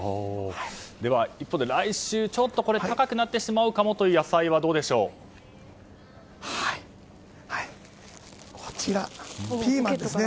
では一方で、来週は高くなってしまうかもというこちら、ピーマンですね。